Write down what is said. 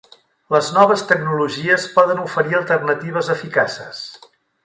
Les noves tecnologies poden oferir alternatives eficaces.